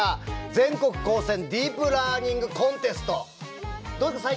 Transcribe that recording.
「全国高専ディープラーニングコンテスト」。